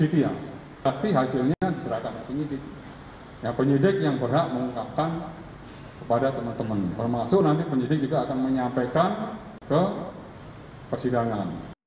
untuk hasilnya diperiksa menggunakan lie detector namun polri enggan membuka hasilnya